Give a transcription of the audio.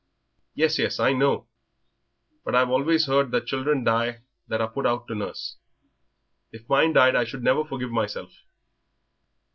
"Yes, yes, I know; but I've always heard that children die that are put out to nurse. If mine died I never should forgive myself."